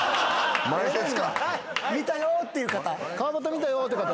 「見たよっていう方」